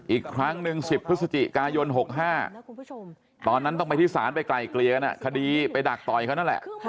อีกครั้งหนึ่ง๑๐พฤศจิกายน๖๕ตอนนั้นต้องไปที่ศาลไปไกลเกลี่ยกันคดีไปดักต่อยเขานั่นแหละ